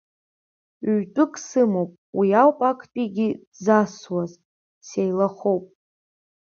Ҩтәык сымоуп, уи ауп актәигьы дзасуаз, сеилахоуп.